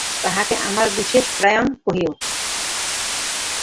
তাঁহাকে আমার বিশেষ প্রণয় কহিও।